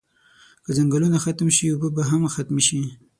که ځنګلونه ختم شی اوبه به هم ختمی شی